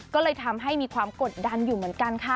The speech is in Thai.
ก็เลยทำให้มีความกดดันอยู่เหมือนกันค่ะ